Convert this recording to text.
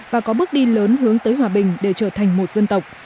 và có bước đi lớn hướng tới hòa bình để trở thành một dân tộc